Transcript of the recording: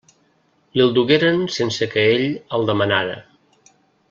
Li'l dugueren sense que ell el demanara.